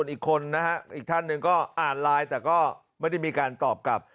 อีกคนนะฮะอีกท่านหนึ่งก็อ่านไลน์แต่ก็ไม่ได้มีการตอบกลับ